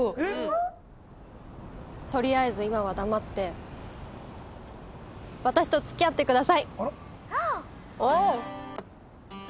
とりあえず今は黙って私と付き合ってください。